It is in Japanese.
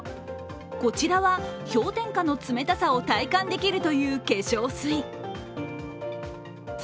こちらは氷点下の冷たさを体感できるという化粧水。